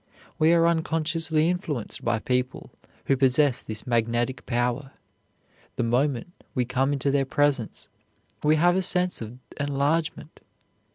We are unconsciously influenced by people who possess this magnetic power. The moment we come into their presence we have a sense of enlargement.